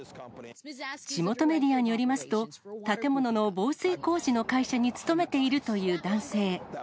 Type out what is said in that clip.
地元メディアによりますと、建物の防水工事の会社に勤めているという男性。